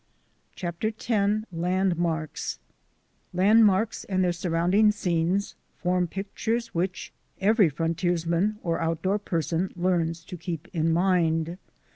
CHAPTER X LANDMARKS LANDMARKS and their surrounding scenes form pictures which every frontiersman or outdoor person learns to keep in mind.